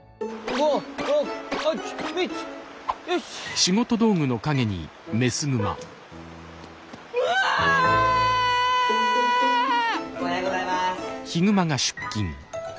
おはようございます。